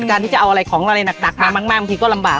ที่จะเอาอะไรของอะไรหนักมามากบางทีก็ลำบาก